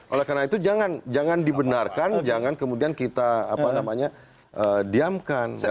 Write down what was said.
oleh karena itu jangan dibenarkan jangan kemudian kita diamkan